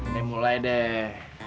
nek mulai deh